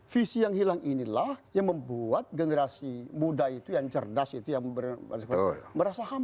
visi yang hilang inilah yang membuat generasi muda itu yang cerdas itu yang merasa ham